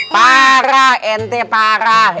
parah ente parah